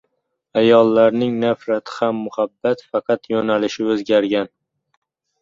Ayollarning nafrati ham muhabbat – faqat yo‘nalishi o‘zgargan.